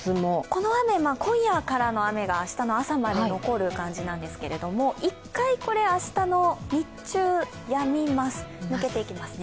この雨、今夜からの雨が明日の朝も残る感じですが１回、明日の日中、やみます。